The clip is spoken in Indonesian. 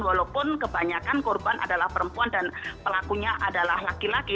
walaupun kebanyakan korban adalah perempuan dan pelakunya adalah laki laki